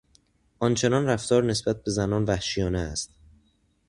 آنچنان رفتار نسبت به زنان وحشیانه است.